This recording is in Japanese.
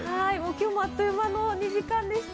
今日もあっという間の２時間でした。